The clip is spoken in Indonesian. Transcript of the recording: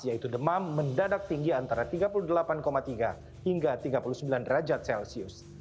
yaitu demam mendadak tinggi antara tiga puluh delapan tiga hingga tiga puluh sembilan derajat celcius